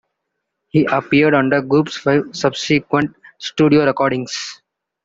He appeared on the group's five subsequent studio recordings.